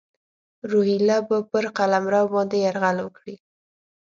روهیله به پر قلمرو باندي یرغل وکړي.